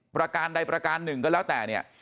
ประการใดประการหนึ่งก็แล้วแต่เนี่ย